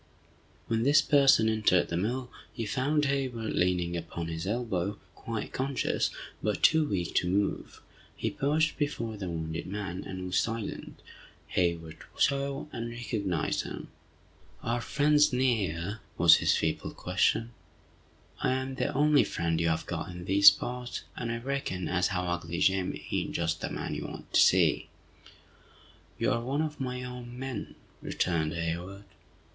When this person entered the mill, he found Hayward leaning upon his elbow, quite conscious, but too weak to move. He paused before the wounded man, and was silent, Hayward saw, and recognized him. "Are friends near?" was his feeble question. "I am the only friend you have got in these parts, and I reckon as how 'ugly Jim' ain't just the man you want to see!" "You are one of my own men!" returned Hayward.